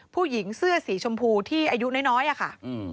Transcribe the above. ผู้หญิงเสื้อสีชมพูที่อายุน้อยอะค่ะ